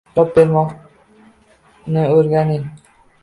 Chap bermoqni o`rganing